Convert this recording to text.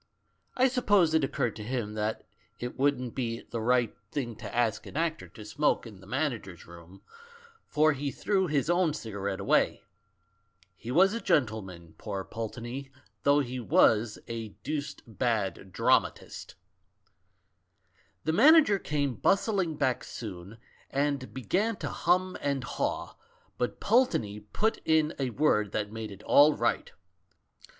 I suppose it occurred to him that it wouldn't be the right 20 THE MAN WHO UNDERSTOOD WOMEN thing to ask an actor to smoke in the manager's room, for he threw his own cigarette away. He was a gentleman, poor Pulteney, though he was a deuced bad dramatist. "The manager came bustling back soon, and began to hum and haw, but Pulteney put in a word that made it all right.